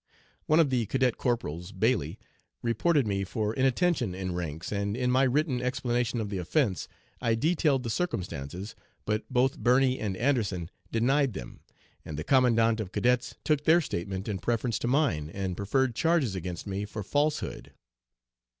One of the Cadet Corporals, Bailey, reported me for 'inattention in ranks,' and in my written explanation of the offence, I detailed the circumstances, but both Birney and Anderson denied them, and the Commandant of Cadets took their statement in preference to mine, and preferred charges against me for falsehood.